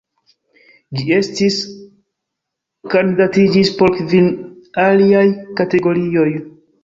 Ĝi estis kandidatiĝis por kvin aliaj kategorioj.